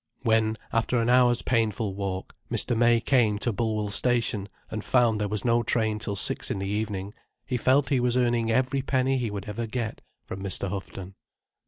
When, after an hour's painful walk, Mr. May came to Bullwell Station and found there was no train till six in the evening, he felt he was earning every penny he would ever get from Mr. Houghton.